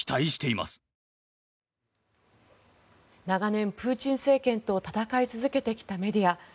長年、プーチン政権と戦い続けてきたメディア。